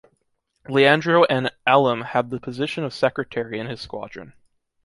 Leandro N. Alem had the position of secretary in his squadron.